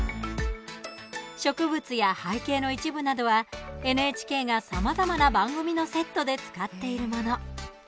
植物や背景の一部などはＮＨＫがさまざまな番組のセットで使っているもの。